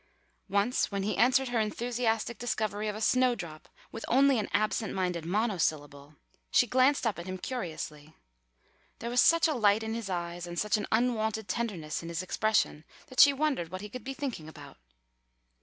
Once when he answered her enthusiastic discovery of a snowdrop with only an absent minded monosyllable, she glanced up at him curiously. There was such a light in his eyes and such an unwonted tenderness in his expression that she wondered what he could be thinking about.